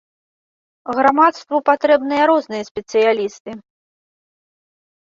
Грамадству патрэбныя розныя спецыялісты.